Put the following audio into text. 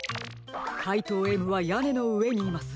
かいとうＭはやねのうえにいます。